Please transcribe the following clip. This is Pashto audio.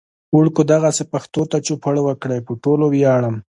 وړکو دغسې پښتو ته چوپړ وکړئ. پو ټولو وياړم